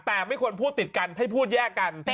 แต่ไม่ควรพูดติดกันให้พูดแยกกัน